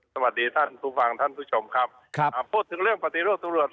สวัสดีท่านผู้ฟังท่านผู้ชมครับครับอ่าพูดถึงเรื่องปฏิรูปตำรวจ